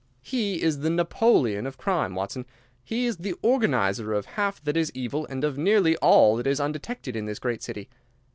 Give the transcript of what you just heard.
"He is the Napoleon of crime, Watson. He is the organizer of half that is evil and of nearly all that is undetected in this great city.